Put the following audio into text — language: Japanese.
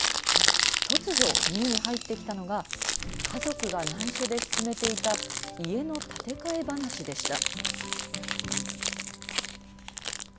突如、耳に入ってきたのが家族が内緒で進めていた家の建て替え話でした。